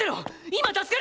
今助ける！